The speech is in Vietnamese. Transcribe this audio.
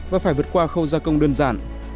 có phải vượt qua khâu gia công đơn giản